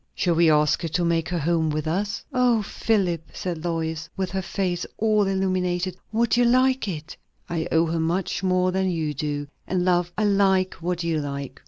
"Shall we ask her to make her home with us?" "O Philip!" said Lois, with her face all illuminated, "would you like it?" "I owe her much more than you do. And, love, I like what you like."